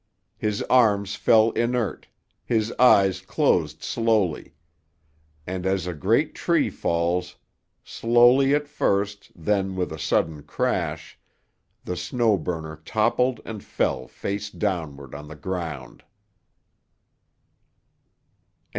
His arms fell inert, his eyes closed slowly; and as a great tree falls—slowly at first, then with a sudden crash—the Snow Burner toppled and fell face downward on the ground.